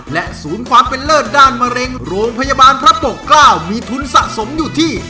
และศูนย์ความเป็นเลิศด้านมะเร็งโรงพยาบาลพระปกเกล้ามีทุนสะสมอยู่ที่